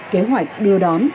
kế hoạch đưa đón